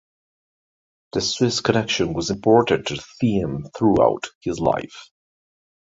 The Swiss connection was important to Thieme throughout his life.